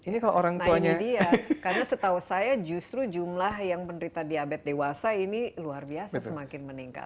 nah ini dia karena setahu saya justru jumlah yang penderita diabetes dewasa ini luar biasa semakin meningkat